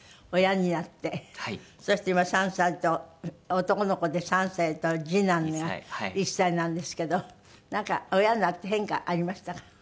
そして今３歳と男の子で３歳と次男が１歳なんですけどなんか親になって変化ありましたか？